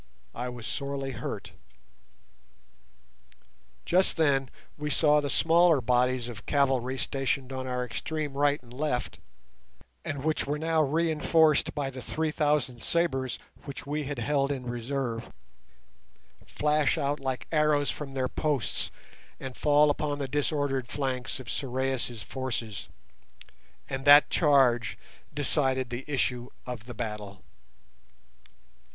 I was sorely hurt. Just then we saw the smaller bodies of cavalry stationed on our extreme right and left, and which were now reinforced by the three thousand sabres which we had held in reserve, flash out like arrows from their posts and fall upon the disordered flanks of Sorais' forces, and that charge decided the issue of the battle.